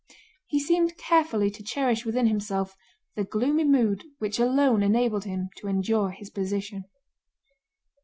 He seemed carefully to cherish within himself the gloomy mood which alone enabled him to endure his position.